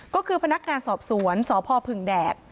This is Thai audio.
ก็คือพนักงานสอบสวนสพพึ่งแดด